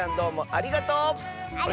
ありがとう！